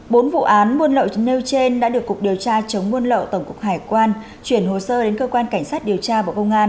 bốn vụ án buôn lậu nêu trên đã được cục điều tra chống buôn lậu tổng cục hải quan chuyển hồ sơ đến cơ quan cảnh sát điều tra bộ công an